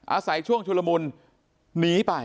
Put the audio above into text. อาศัยช่วงชุลมุนหนีไป